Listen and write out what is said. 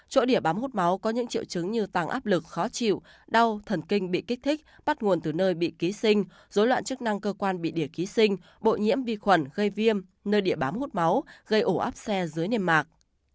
chỗ điểm bám hút máu có những triệu chứng như tăng áp lực khó chịu đau thần kinh bị kích thích bắt nguồn từ nơi bị ký sinh dối loạn chức năng cơ quan bị đỉa ký sinh bội nhiễm vi khuẩn gây viêm nơi địa bám hút máu gây ổ áp xe dưới niêm mạc